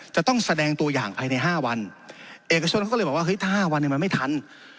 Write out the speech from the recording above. จะต้องแสดงตัวอย่างอะไรในห้าวัน